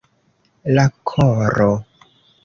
La koro.